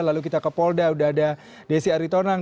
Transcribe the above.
lalu kita ke polda sudah ada desi aritonang